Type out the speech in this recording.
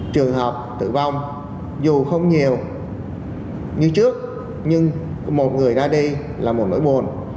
trường hợp tử vong dù không nhiều như trước nhưng một người ra đi là một nỗi buồn